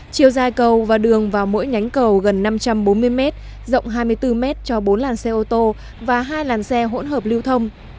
chiều dài cầu và đường vào mỗi nhánh cầu gần năm trăm bốn mươi m rộng hai mươi bốn m cho bốn làn xe ô tô và hai làn xe hỗn hợp lưu thông